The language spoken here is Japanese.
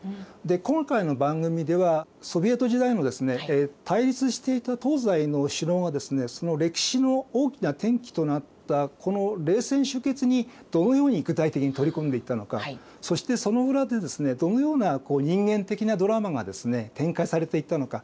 今回の番組ではソビエト時代のですね対立していた東西の首脳がですねその歴史の大きな転機となったこの冷戦終結にどのように具体的に取り組んでいったのかそしてその裏でどのような人間的なドラマが展開されていったのか。